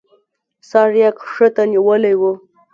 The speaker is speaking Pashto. سر يې کښته نيولى و.